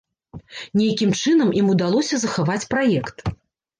Нейкім чынам ім удалося захаваць праект.